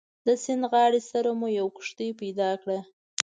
د سیند غاړې سره مو یوه کښتۍ پیدا کړه.